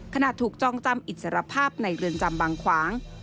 ถูกจองจำอิสรภาพในเรือนจำบางขวาง